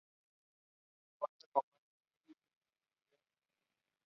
Cuenta con varios hoteles y disponibilidad en ellos.